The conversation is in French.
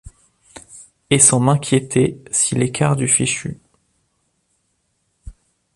Et sans m'inquiéter si l'écart du fichu